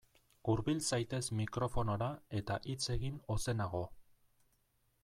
Hurbil zaitez mikrofonora eta hitz egin ozenago.